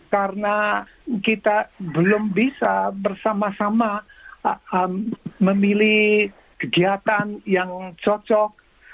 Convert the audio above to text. karena kita belum bisa bersama sama memilih kegiatan yang cocok